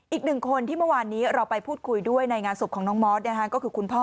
อีกหนึ่งคนที่เมื่อวานนี้เราไปพูดคุยด้วยในงานศพของน้องมอสก็คือคุณพ่อ